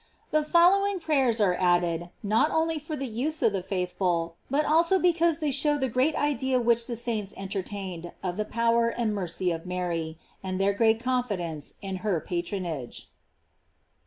THE following prayers are added, not only for the use of the faithful, but also because they show the great idea which the saints entertained of the power and mer cy of Mary, and their great confidence in her patronage.